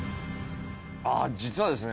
実はですね